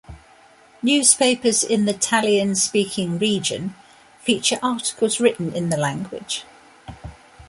Newspapers in the Talian-speaking region feature articles written in the language.